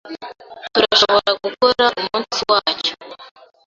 Turashobora gukora umunsi wacyo.